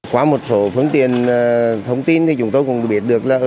qua một số phương tiện thông tin thì chúng tôi cũng biết được là